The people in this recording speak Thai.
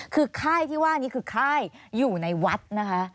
คือค่ายที่ว่านี้คือค่ายอยู่ในวัดนะคะ